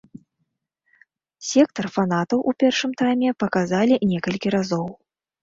Сектар фанатаў у першым тайме паказалі некалькі разоў.